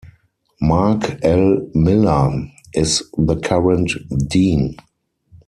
Marc L. Miller is the current Dean.